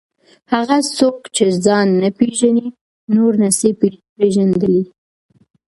هغه څوک چې ځان نه پېژني نور نسي پېژندلی.